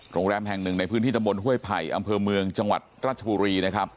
โรงแรมแห่งหนึ่งในพื้นที่ตะบนห้วยไผ่อำเภอเมืองจังหวัดราชบุรีนะครับ